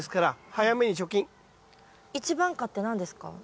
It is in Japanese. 一番果って何ですか？